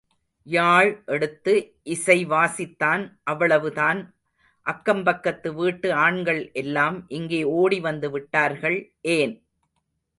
யாழ் எடுத்து இசை வாசித்தான் அவ்வளவுதான் அக்கம் பக்கத்து வீட்டு ஆண்கள் எல்லாம் இங்கே ஓடிவந்துவிட்டார்கள் ஏன்?